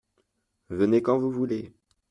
Venez quand vous voulez.